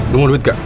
lu mau duit gak